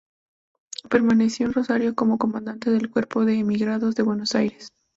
Permaneció en Rosario como comandante del cuerpo de emigrados de Buenos Aires.